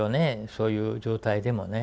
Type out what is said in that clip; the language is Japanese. そういう状態でもね。